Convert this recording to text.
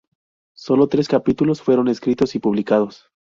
Sólo tres capítulos fueron escritos y publicados.